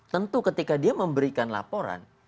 tentu ketika dia memberikan laporan